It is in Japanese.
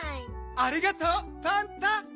ありがとうパンタ！